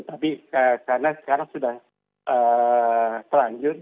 tapi karena sekarang sudah terlanjur